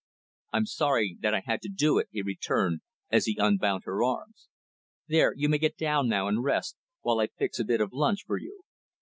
"I'm sorry that I had to do it," he returned, as he unbound her arms. "There, you may get down now, and rest, while I fix a bit of lunch for you."